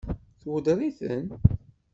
Tweddeṛ-iten?